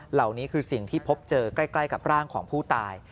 เหล่านี้คือสิ่งที่พบเจอใกล้กับร่างของผู้ตาย